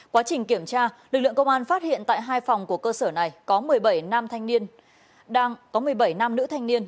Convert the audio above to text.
quá trình kiểm tra lực lượng công an phát hiện tại hai phòng của cơ sở này có một mươi bảy nam nữ thanh niên